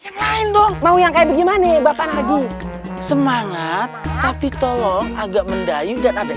yang lain dong mau yang kayak begini bahkan haji semangat tapi tolong agak mendayu dan ada